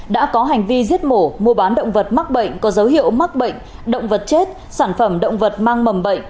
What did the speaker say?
đã có hành vi giết mổ mua bán động vật mắc bệnh có dấu hiệu mắc bệnh động vật chết sản phẩm động vật mang mầm bệnh